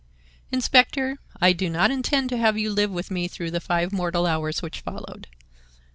"Inspector, I do not intend to have you live with me through the five mortal hours which followed.